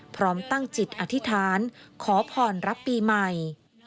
พร้อมตั้งจิตอธิษฐานขอพรรับปีใหม่